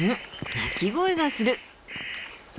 鳴き声がする。